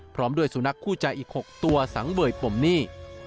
พร้อมด้วยสุนัขคู่ใจอีก๖ตัวสังเวยปมหนี้